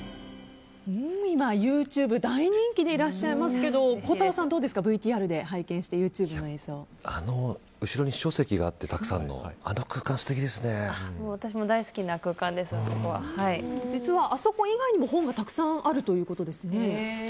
今、ＹｏｕＴｕｂｅ大人気でいらっしゃいますけど孝太郎さん、どうですかＶＴＲで拝見して後ろにたくさんの書籍があって私も大好きな空間です実はあそこ以外にも本がたくさんあるということですね。